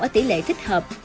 ở tỷ lệ thích hợp